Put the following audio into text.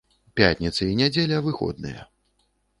Пятніца і нядзеля выходныя.